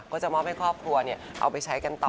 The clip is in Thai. ก็จะมอบให้ครอบครัวเอาไปใช้กันต่อ